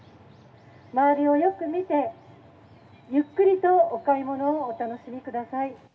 周りをよく見て、ゆっくりとお買い物をお楽しみください。